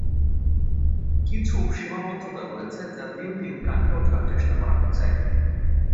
কিছু সীমাবদ্ধতা রয়েছে যা দিন দিন কাটিয়ে উঠার চেষ্টা করা হচ্ছে।